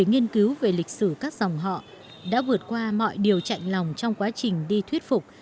nghiên cứu về lịch sử các dòng họ đã vượt qua mọi điều chạy lòng trong quá trình đi thuyết phục